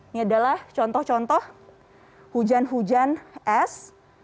ini adalah contoh contoh hujan hujan es